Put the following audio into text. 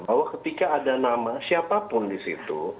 bahwa ketika ada nama siapapun di situ